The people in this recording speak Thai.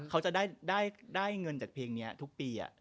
เขาจะได้เงินจากเพลงนี้ทุกปี